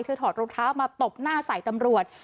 เธอถอดรถเท้ามาตบหน้าสายตำรวจ